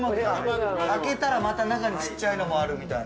あけたらまた中にちっちゃいのもある、みたいな。